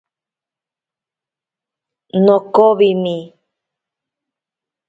Nokowimi.